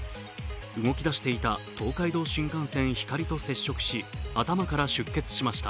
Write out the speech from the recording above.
動き出していた東海道新幹線ひかりと接触し、頭から出血しました。